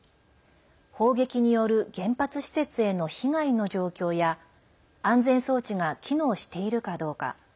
砲撃による原発施設への被害の状況や安全装置が機能しているかどうか。